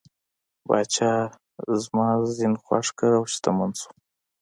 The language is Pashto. پاچا زما زین خوښ کړ او شتمن شوم.